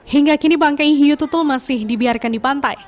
hingga kini bangkai hiu tutul masih dibiarkan di pantai